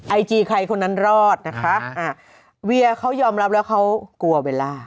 ไอจีใครคนนั้นรอดนะคะอ่าเวียเขายอมรับแล้วเขากลัวเบลล่า